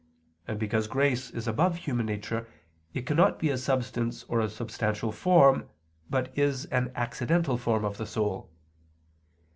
And because grace is above human nature, it cannot be a substance or a substantial form, but is an accidental form of the soul.